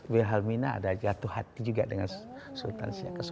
wilhelmina ada jatuh hati juga dengan sultan siak ii